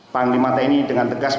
panglima tni dengan tegas